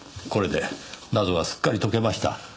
これで謎はすっかり解けました。